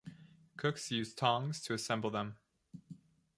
Cooks used tongs to assemble them.